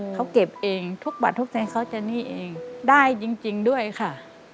เขาเก็บเองทุกบัตรทุกแสนเขาจะหนี้เองได้จริงด้วยค่ะ